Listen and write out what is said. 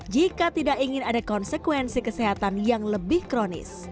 jika tidak ingin ada konsekuensi kesehatan yang lebih kronis